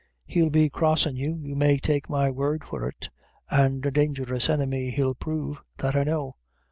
He'll be crossin' you you may take my word for it an' a dangerous enemy he'll prove that I know."